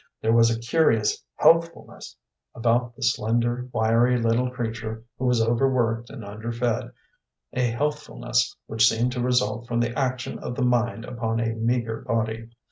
There was a curious healthfulness about the slender, wiry little creature who was overworked and under fed, a healthfulness which seemed to result from the action of the mind upon a meagre body.